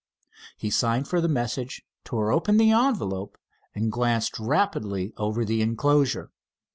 He signed for the message, tore open the envelope, and glanced rapidly over the enclosure.